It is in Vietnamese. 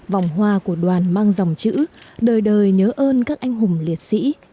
vòng hoa của đoàn mang dòng chữ đời đời nhớ ơn các anh hùng liệt sĩ